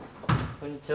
・こんにちは。